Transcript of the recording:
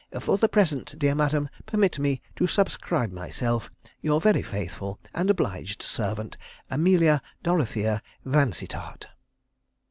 For the present, dear madam, permit me to subscribe myself, "Your very faithful "And obliged servant, "AMELIA DOROTHEA VANSITTART."